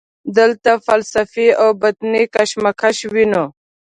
دلته فلسفي او باطني کشمکش وینو.